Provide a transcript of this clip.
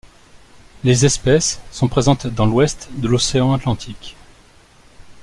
Les espèces sont présentes dans l'Ouest de l'océan Atlantique.